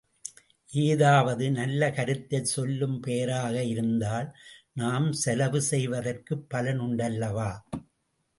ஏதாவது நல்ல கருத்தைச் சொல்லும் பெயராக இருந்தால் நாம் செலவு செய்வதற்குப் பலன் உண்டல்லவா?